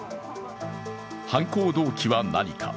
犯行動機は何か。